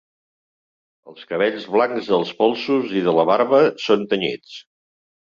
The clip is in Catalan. Els cabells blancs dels polsos i de la barba són tenyits.